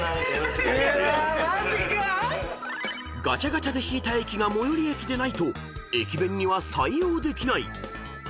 ［ガチャガチャで引いた駅が最寄駅でないと駅弁には採用できない］